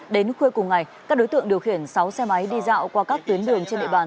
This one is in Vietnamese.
đến khuya cùng ngày các đối tượng điều khiển sáu xe máy đi dạo qua các tuyến đường trên địa bàn